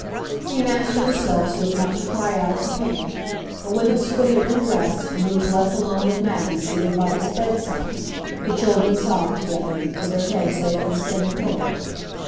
He mastered himself so as not to cry out at the pain; but when his foot had been dressed, and he was left alone with Maggie seated by his bedside, the children sobbed together, with their heads laid on the same pillow.